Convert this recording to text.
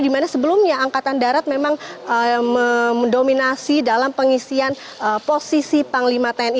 dimana sebelumnya angkatan darat memang mendominasi dalam pengisian posisi panglima tni